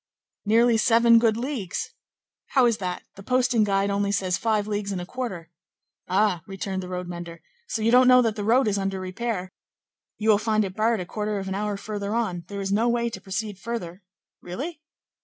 "Nearly seven good leagues." "How is that? the posting guide only says five leagues and a quarter." "Ah!" returned the road mender, "so you don't know that the road is under repair? You will find it barred a quarter of an hour further on; there is no way to proceed further." "Really?"